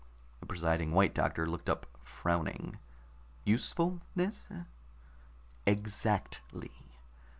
The presiding White Doctor looked up, frowning. "Usefulness?" "Exactly.